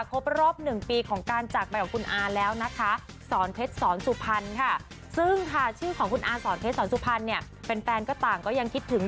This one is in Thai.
ครบรอบ๑ปีของการจากไปของคุณอาแล้วนะคะ